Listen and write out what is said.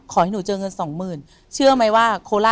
ขอให้หนูเจอเงินสองหมื่น